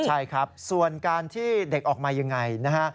ใช่ครับส่วนการที่เด็กออกมายังไงนะฮะ